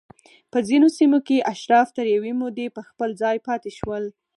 په ځینو سیمو کې اشراف تر یوې مودې پر خپل ځای پاتې شول